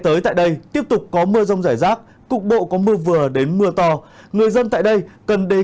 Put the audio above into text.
tới tại đây tiếp tục có mưa rông rải rác cục bộ có mưa vừa đến mưa to người dân tại đây cần đề